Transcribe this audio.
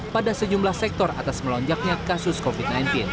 pada sejumlah sektor atas melonjaknya kasus covid sembilan belas